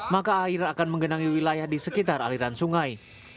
maka air akan menggenangi wilayah di sekitar aliran sungai